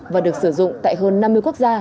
và được sử dụng tại hơn năm mươi quốc gia